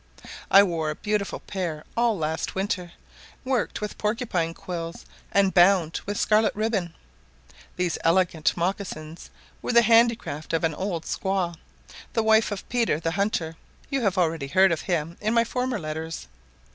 I wore a beautiful pair all last winter, worked with porcupine quills and bound with scarlet ribbon; these elegant mocassins were the handicraft of an old squaw, the wife of Peter the hunter: you have already heard of him in my former letters.